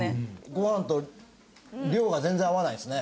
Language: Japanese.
ご飯と量が全然合わないですね。